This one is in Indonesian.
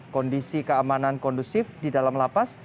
kondisi keamanan kondusif di dalam lapas